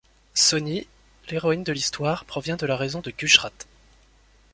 Sohni, l'héroïne de l'histoire, provient de la région de Gujrat.